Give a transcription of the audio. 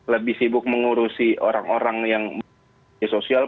lebih sibuk mengurusi orang orang yang media sosial pengurus media sosial